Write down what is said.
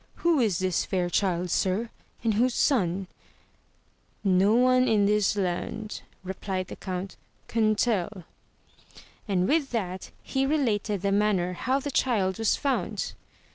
Who is this fair child sir, and whose son % No one in this land, replied the count, can tell, and with that he related the manner how the child was found.